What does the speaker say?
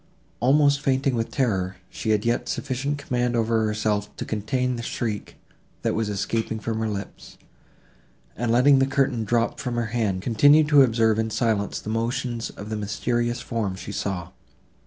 Almost fainting with terror, she had yet sufficient command over herself, to check the shriek, that was escaping from her lips, and, letting the curtain drop from her hand, continued to observe in silence the motions of the mysterious form she saw.